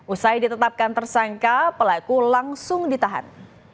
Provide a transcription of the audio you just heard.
usai ditetapkan tersangka pelaku langsung ditahan